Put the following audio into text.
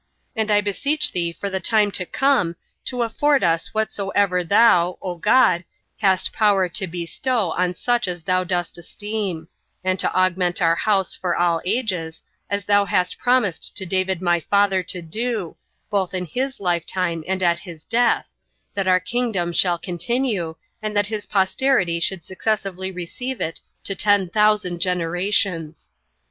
And I beseech thee for the time to come to afford us whatsoever thou, O God, hast power to bestow on such as thou dost esteem; and to augment our house for all ages, as thou hast promised to David my father to do, both in his lifetime and at his death, that our kingdom shall continue, and that his posterity should successively receive it to ten thousand generations.